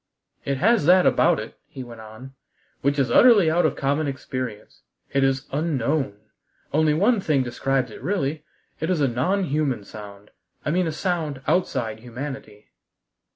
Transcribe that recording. "It has that about it," he went on, "which is utterly out of common experience. It is unknown. Only one thing describes it really: it is a non human sound; I mean a sound outside humanity."